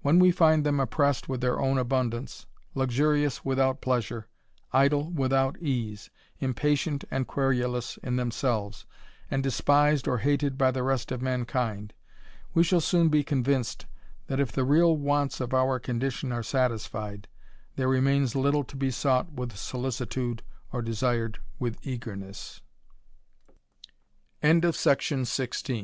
When we find THE RAMBLER, 79 them oppressed with their own abundance, luxurious without pleasure^ idle without ease, impatient and querulous in themselves^ and despised or hated by the rest of mankind, we shall soon be convinced, that if the real wants of our condition are satisfied, there remains little to be sought with solicitude, or desired